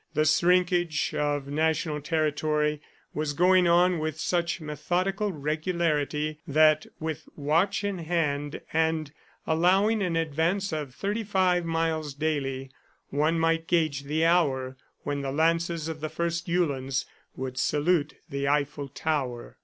The shrinkage of national territory was going on with such methodical regularity that, with watch in hand, and allowing an advance of thirty five miles daily, one might gauge the hour when the lances of the first Uhlans would salute the Eiffel tower.